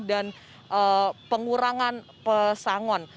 dan pengurangan pesangon